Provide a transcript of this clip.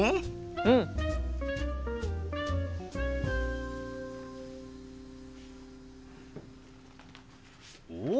うん！おっ！